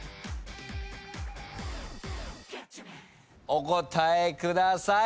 お答えください。